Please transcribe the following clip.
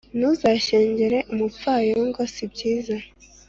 Ntuzashyengere umupfayongo sibyiza